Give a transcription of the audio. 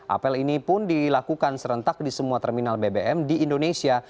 apel ini pun dilakukan serentak di semua terminal bbm di indonesia